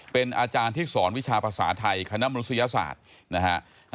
เป็นอาจารย์ที่สอนวิชาภาษาไทยคณะมนุษยศาสตร์นะฮะ